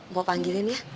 mau panggilin ya